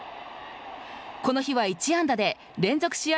この日は１安打で連続試合